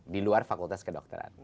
di luar fakultas kedokteran